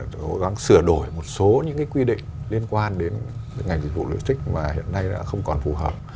cố gắng sửa đổi một số những cái quy định liên quan đến ngành dịch vụ logistics mà hiện nay đã không còn phù hợp